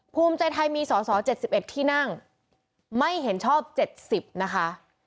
ภูมิใจไทยมีสอสอ๗๑ที่นั่งไม่เห็นชอบ๗๐นะคะ